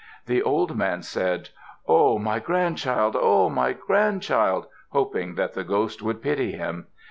The old man said, "Oh! My grandchild! Oh! My grandchild!" hoping that the ghost would pity him.